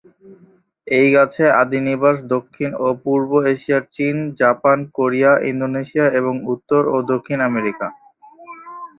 এই গাছে আদি নিবাস দক্ষিণ ও পূর্ব এশিয়ার চীন, জাপান, কোরিয়া, ইন্দোনেশিয়া এবং উত্তর ও দক্ষিণ আমেরিকা।